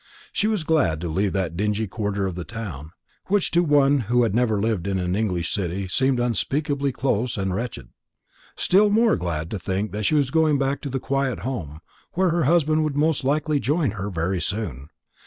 She was glad to leave that dingy quarter of the town, which to one who had never lived in an English city seemed unspeakably close and wretched; still more glad to think that she was going back to the quiet home, where her husband would most likely join her very soon.